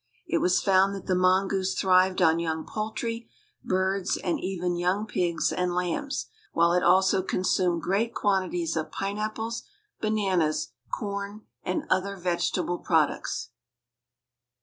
It was found that the mongoose thrived on young poultry, birds, and even young pigs and lambs, while it also consumed great quantities of pineapples, bananas, corn and other vegetable products.